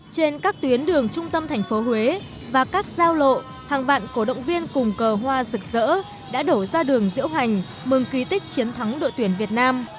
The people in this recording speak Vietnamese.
trên các tuyến đường trung tâm thành phố huế và các giao lộ hàng vạn cổ động viên cùng cờ hoa rực rỡ đã đổ ra đường diễu hành mừng kỳ tích chiến thắng đội tuyển việt nam